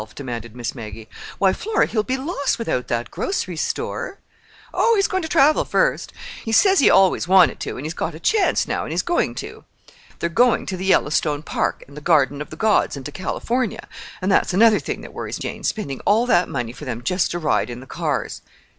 demanded Miss Maggie. "Why, Flora, he'll be lost without that grocery store!" "Oh, he's going to travel, first. He says he always wanted to, and he's got a chance now, and he's going to. They're going to the Yellowstone Park and the Garden of the Gods and to California. And that's another thing that worries Jane—spending all that money for them just to ride in the cars."